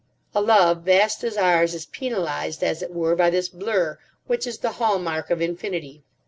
A love vast as ours is penalised, as it were, by this blur, which is the hall mark of infinity.